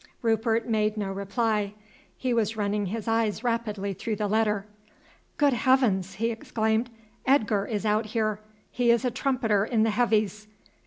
Rupert made no reply; he was running his eyes rapidly through the letter. "Good heavens!" he exclaimed; "Edgar is out here; he is a trumpeter in the Heavies."